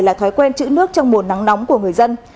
là thói quen chữ nước trong mùa nắng nóng của người dân